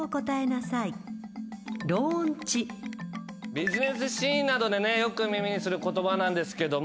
ビジネスシーンなどでねよく耳にする言葉なんですけども。